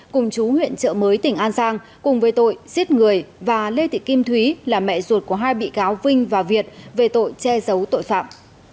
cùng chú huyện trợ mới tỉnh an giang cùng với tội giết người và lê thị kim thúy là mẹ ruột của hai bị cáo vinh và việt về tội che giấu tội phạm